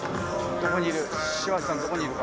どこにいる？